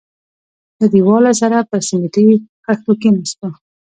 له دېواله سره پر سميټي خښتو کښېناستو.